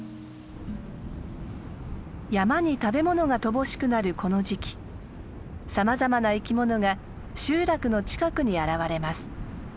山に食べ物が乏しくなるこの時期さまざまな生きものが集落の近くに現れます。